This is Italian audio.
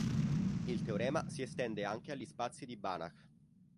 Il teorema si estende anche agli spazi di Banach.